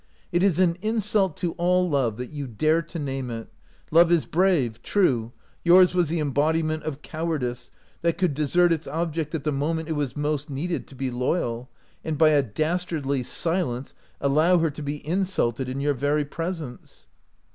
" It is an insult to all love that you dare to name it. Love is brave, true ; yours was the embod iment of cowardice, that could desert its object at the moment it was most needed to be loyal, and by a dastardly sitence allow her to be insulted in your very presence."